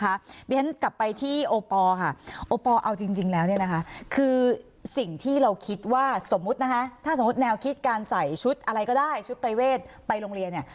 เพราะฉะนั้นกลับไปที่โอปอล์ค่ะโอปอลเอาจริงแล้วเนี่ยนะคะคือสิ่งที่เราคิดว่าสมมุตินะคะถ้าสมมุติแนวคิดการใส่ชุดอะไรก็ได้ชุดประเวทไปโรงเรียนเนี่ย